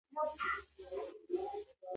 تاسو کولای شئ په کور کې پیسې وګټئ.